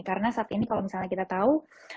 karena saat ini kalau misalnya kita tahu